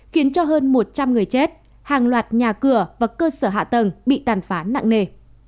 khiến cho hơn một trăm linh người chết hàng loạt nhà cửa và cơ sở hạ tầng bị tàn phá nặng nề